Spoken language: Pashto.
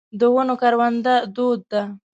د ونو کرونده دود ده.